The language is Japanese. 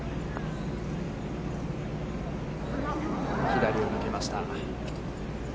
左を抜けました。